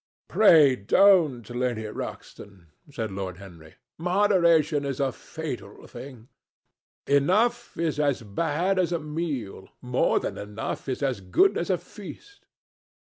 "Pray don't, Lady Ruxton," said Lord Henry. "Moderation is a fatal thing. Enough is as bad as a meal. More than enough is as good as a feast."